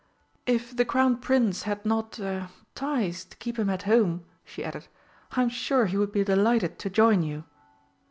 "If the Crown Prince had not er ties to keep him at home," she added, "I'm sure he would be delighted to join you."